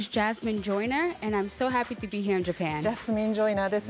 ジャスミン・ジョイナーです。